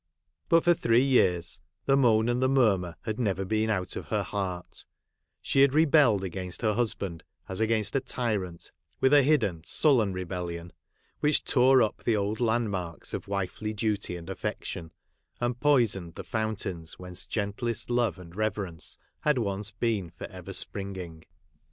But for three years the moan and the murmur had never been out of her heart ; she had rebelled against her husband as against a tyrant, with a hidden sullen rebellion, which tore up the old land marks of wifely duty and affection, and poisoned the fountains whence gentlest love and reverence had once been for ever springing.